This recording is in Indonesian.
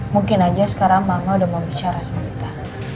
mungkin aja sekarang mama udah mau bicara sama kita